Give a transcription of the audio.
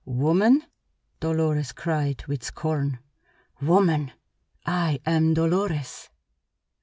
"Woman!" Dolores cried with scorn. "Woman! I am Dolores!"